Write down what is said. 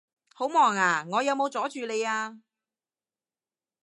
好忙呀？我有冇阻住你呀？